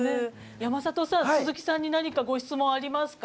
山里さん、鈴木さんに何かご質問ありますか？